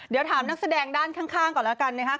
เดี๋ยวถามนักแสดงด้านข้างก่อนแล้วกันนะครับ